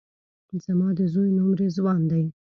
زما د زوی نوم رضوان دی